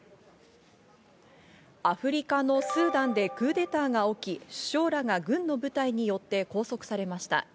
アフリカのスーダンでクーデターが起き、首相らが軍の部隊によって拘束されました。